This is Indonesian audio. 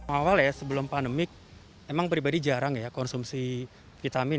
awal sebelum pandemi emang pribadi jarang konsumsi vitamin